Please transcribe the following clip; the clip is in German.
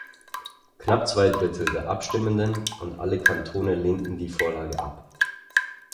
Knapp zwei Drittel der Abstimmenden und alle Kantone lehnten die Vorlage ab.